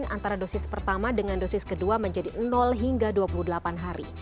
antara dosis pertama dengan dosis kedua menjadi hingga dua puluh delapan hari